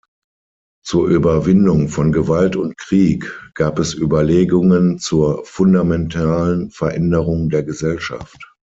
Zur Überwindung von Gewalt und Krieg gab es Überlegungen zur fundamentalen Veränderung der Gesellschaft.